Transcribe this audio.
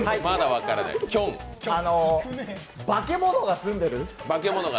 化け物が住んでる？